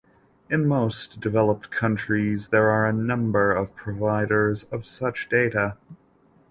In most developed countries, there are a number of providers of such data.